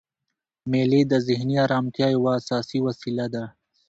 مېلې د ذهني ارامتیا یوه اساسي وسیله ده.